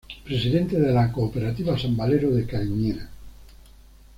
Presidente de la Cooperativa San Valero de Cariñena.